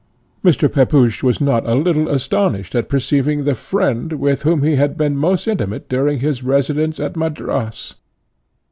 Mr. Pepusch was not a little astonished on perceiving the friend, with whom he had been most intimate during his residence at Madras.